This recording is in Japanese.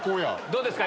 どうですか？